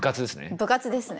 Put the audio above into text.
部活ですね。